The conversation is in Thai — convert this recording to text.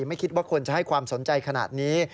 ไม่คิดว่าคนจะให้ความสนใจขนาดนี้